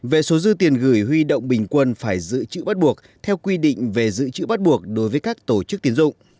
về số dư tiền gửi huy động bình quân phải dự trữ bắt buộc theo quy định về dự trữ bắt buộc đối với các tổ chức tiến dụng